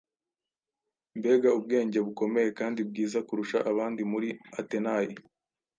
mbega ubwenge bukomeye kandi bwiza kurusha abandi muri Atenayi,